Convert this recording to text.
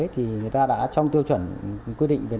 thì người ta đã trong tiêu chuẩn quy định